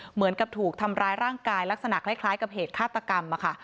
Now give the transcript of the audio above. เหมือนกับถูกทำร้ายร่างกายลักษณะคล้ายกับเหตุฆาตกรรมอะค่ะ